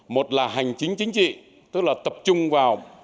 một là hành chính chính trị tức là tập trung vào